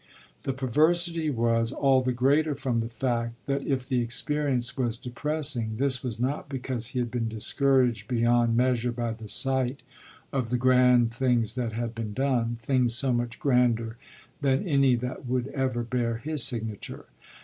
The perversity was all the greater from the fact that if the experience was depressing this was not because he had been discouraged beyond measure by the sight of the grand things that had been done things so much grander than any that would ever bear his signature.